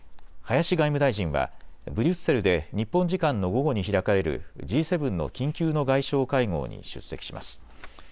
林外務大臣はブリュッセルで日本時間の午後に開かれるＧ７の緊急の外相会合に出席します。